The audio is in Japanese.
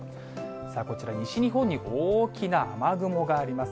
さあ、こちら、西日本に大きな雨雲があります。